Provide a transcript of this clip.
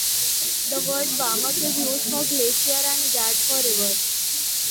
The word Bamak is used for Glacier and Gad for River.